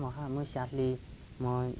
ủa vậy mà